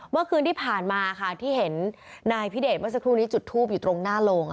เมื่อคืนที่ผ่านมาค่ะที่เห็นนายพิเดชเมื่อสักครู่นี้จุดทูปอยู่ตรงหน้าโรง